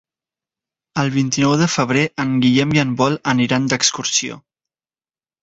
El vint-i-nou de febrer en Guillem i en Pol aniran d'excursió.